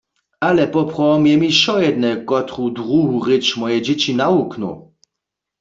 Ale poprawom je mi wšojedne, kotru druhu rěč moje dźěći nawuknu.